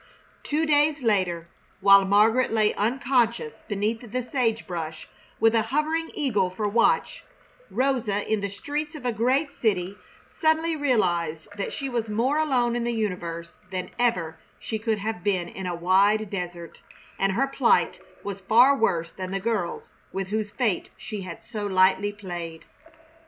Two days later, while Margaret lay unconscious beneath the sage brush, with a hovering eagle for watch, Rosa in the streets of a great city suddenly realized that she was more alone in the universe than ever she could have been in a wide desert, and her plight was far worse than the girl's with whose fate she had so lightly played.